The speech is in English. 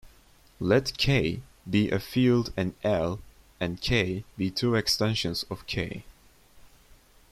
Let "k" be a field and "L" and "K" be two extensions of "k".